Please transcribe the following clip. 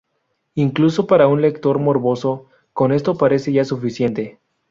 Incluso para un lector morboso, con esto parece ya suficiente.